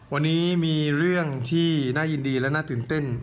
วันนี้มีเรื่องที่น่ายินดีและน่าตื่นเต้น